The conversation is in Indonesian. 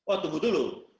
oh tunggu dulu